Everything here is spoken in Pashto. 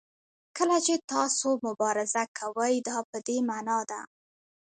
کله چې تاسو مبارزه کوئ دا په دې معنا ده.